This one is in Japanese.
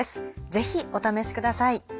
ぜひお試しください。